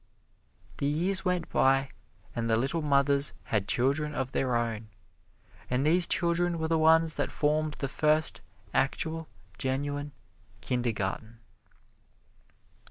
The years went by and the little mothers had children of their own, and these children were the ones that formed the first actual, genuine kindergarten.